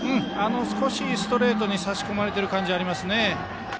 少しストレートに差し込まれている感じがあります。